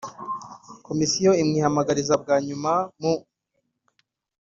Komisiyo imwihanangiriza bwa nyuma mu